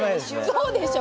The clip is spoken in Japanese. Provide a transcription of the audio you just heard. そうでしょ？